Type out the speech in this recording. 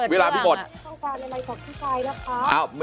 ไม่ได้ต้องการอะไรของพี่กายนะครับ